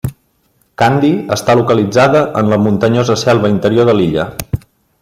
Kandy està localitzada en la muntanyosa selva interior de l'illa.